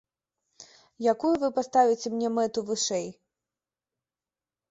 Якую вы паставіце мне мэту вышэй?